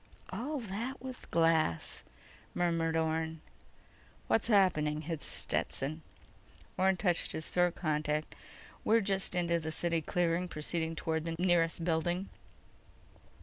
"All that with glass," murmured Orne. "What's happening?" hissed Stetson. Orne touched his throat contact. _"We're just into the city clearing, proceeding toward the nearest building."